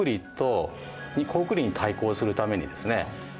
高句麗に対抗するためにですね